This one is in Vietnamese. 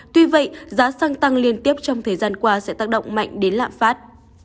tuy vậy giá xăng tăng liên tiếp trong thời gian qua sẽ tác động mạnh đến lạm phát